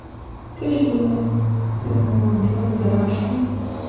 کلي کې مو ژوند گران شو